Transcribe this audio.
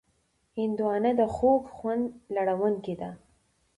هندوانه د خوږ خوند لرونکې ده.